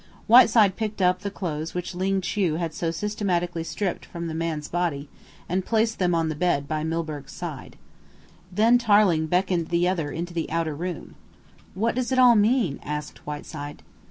Whiteside picked up the clothes which Ling Chu had so systematically stripped from the man's body, and placed them on the bed by Milburgh's side. Then Tarling beckoned the other into the outer room. "What does it all mean?" asked Whiteside.